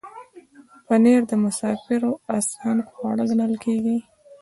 پنېر د مسافرو آسان خواړه ګڼل کېږي.